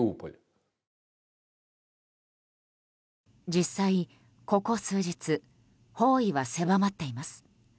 実際、ここ数日包囲は狭まっています。